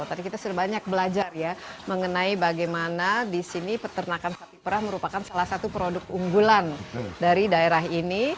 tadi kita sudah banyak belajar ya mengenai bagaimana di sini peternakan sapi perah merupakan salah satu produk unggulan dari daerah ini